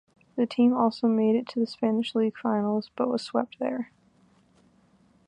The team also made it to the Spanish League finals, but was swept there.